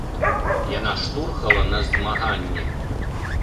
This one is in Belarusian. Яна штурхала на змаганне.